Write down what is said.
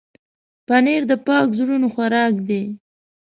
پنېر د پاک زړونو خوراک دی.